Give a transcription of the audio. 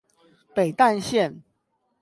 北淡線